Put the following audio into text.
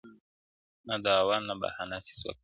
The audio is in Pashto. نه دعوه نه بهانه سي څوك منلاى!!